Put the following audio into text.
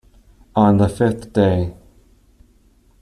On the fifth day.